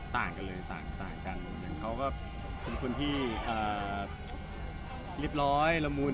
ต่างกันเลยต่างกันอย่างเขาก็เป็นคนที่เรียบร้อยละมุน